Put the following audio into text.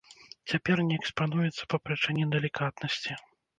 Цяпер не экспануецца па прычыне далікатнасці.